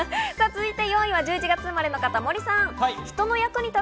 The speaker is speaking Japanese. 続いて４位は１１月生まれの方、森さん。